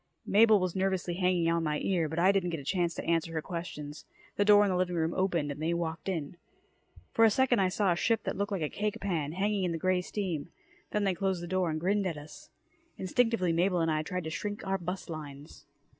Mabel was nervously hanging on my ear, but I didn't get a chance to answer her questions. The door in the living room opened and they walked in. For a second I saw a ship that looked like a cake pan, hanging in the grey steam. Then they closed the door and grinned at us. Instinctively, Mabel and I tried to shrink our bust lines.